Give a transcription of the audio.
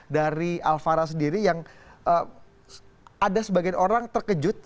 dari alvara sendiri yang ada sebagian orang terkejut